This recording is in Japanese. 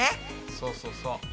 そうそうそう。